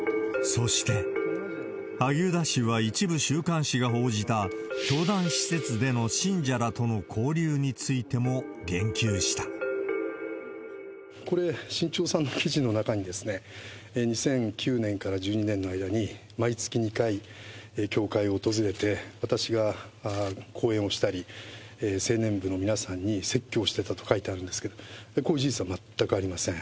そして、萩生田氏は一部週刊誌が報じた教団施設での信者らとの交流についこれ、新潮さんの記事の中に、２００９年から１２年の間に毎月２回、教会を訪れて、私が講演をしたり、青年部の皆さんに説教したと書いてあるんですが、こういう事実は全くありません。